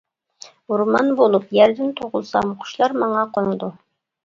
ئورمان بولۇپ يەردىن تۇغۇلسام، قۇشلار ماڭا قونىدۇ.